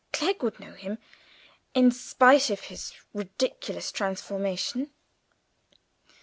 Clegg would know him, in spite of his ridiculous transformation.